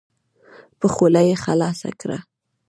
په خوله یې خلاصه کړئ.